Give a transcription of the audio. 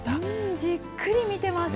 じっくり見てます。